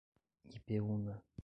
Ipeúna